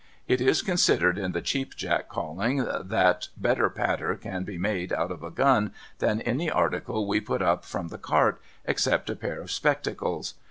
It is considered in the Cheap Jack calling, that better patter can be made out of a gun than any article we put up from the cart, except a pair of spectacles.